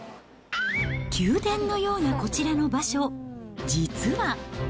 宮殿のようなこちらの場所、実は。